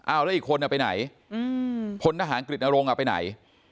อ้าวแล้วอีกคนเอาไปไหนอืมผลทหารกฤษนโรงเอาไปไหน